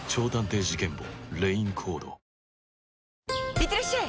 いってらっしゃい！